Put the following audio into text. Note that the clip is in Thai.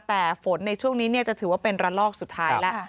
แต่ฝนในช่วงนี้จะถือว่าเป็นระลอกสุดท้ายแล้ว